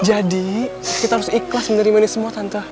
jadi kita harus ikhlas menerimanya semua tante